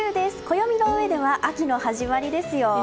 暦の上では秋の始まりですよ。